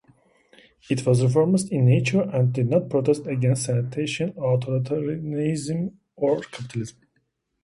It was reformist in nature and did not protest against Sanation authoritarianism or capitalism.